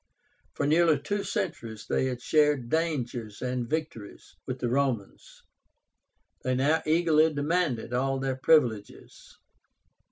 For nearly two centuries they had shared dangers and victories with the Romans; they now eagerly demanded all their privileges.